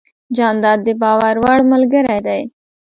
جانداد د باور وړ ملګری دی.